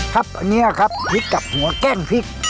ครับอันนี้ครับพริกกับหัวแกล้งพริก